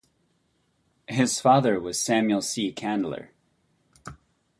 His father was Samuel C. Candler.